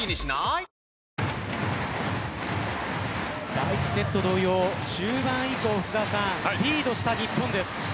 第１セット同様中盤以降リードした日本です。